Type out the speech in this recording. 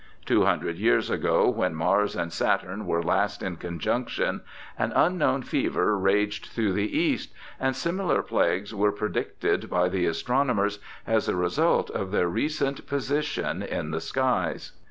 Two hundred years ago, when Mars and Saturn were last in conjunction, an unknown fever raged through the East, and similar plagues were predicted by the astronomers as a result of their recent position in the skies.